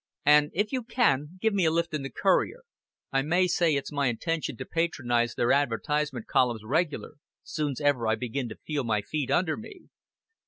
And if you can, give me a lift in the Courier. I may say it's my intention to patronize their advertisement columns regular, soon's ever I begin to feel my feet under me."